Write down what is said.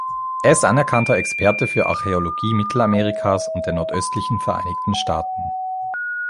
Er ist anerkannter Experte für Archäologie Mittelamerikas und der nordöstlichen Vereinigten Staaten.